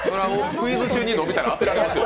クイズ中に伸びたら当てられますよ。